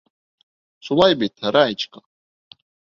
Шулай бит, Раечка!